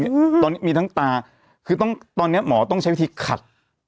อืมตอนนี้มีทั้งตาคือต้องตอนเนี้ยหมอต้องใช้วิธีขัด